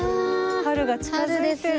春が近づいてる。